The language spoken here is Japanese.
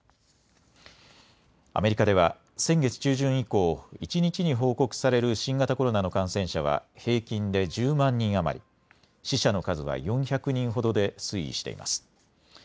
アメリカでは先月中旬以降一日に報告される新型コロナの感染者は平均で１０万人余り、死者の数は４００人ほどで推移しています。